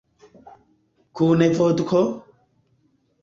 Kun vodko?